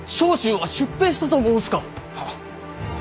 はっ。